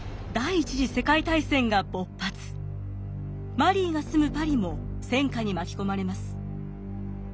マリーが住むパリも戦火に巻き込まれます。